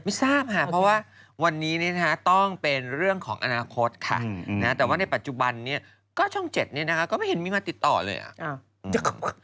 ทราบค่ะเพราะว่าวันนี้ต้องเป็นเรื่องของอนาคตค่ะแต่ว่าในปัจจุบันนี้ก็ช่อง๗เนี่ยนะคะก็ไม่เห็นมีมาติดต่อเลย